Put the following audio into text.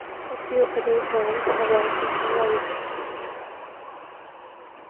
A few other homes have also survived.